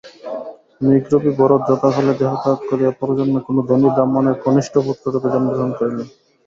মৃগরূপী ভরত যথাকালে দেহত্যাগ করিয়া পরজন্মে কোন ধনী ব্রাহ্মণের কনিষ্ঠ পুত্ররূপে জন্মগ্রহণ করিলেন।